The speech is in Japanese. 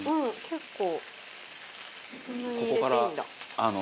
結構。